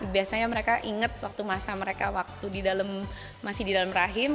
biasanya mereka ingat waktu masa mereka waktu di dalam masih di dalam rahim